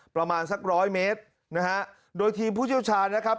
ประมาณสักร้อยเมตรนะฮะโดยทีมผู้เชี่ยวชาญนะครับ